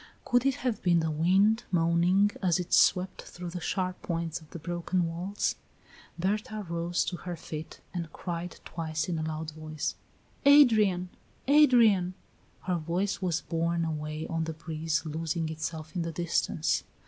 Could it have been the wind, moaning as it swept through the sharp points of the broken walls? Berta rose to her feet, and cried twice in a loud voice: "Adrian! Adrian!" Her voice was borne away on the breeze, losing itself in the distance.